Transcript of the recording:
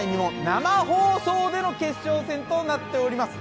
生放送での決勝戦となっております。